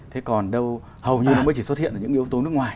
thế còn đâu hầu như nó mới chỉ xuất hiện ở những yếu tố nước ngoài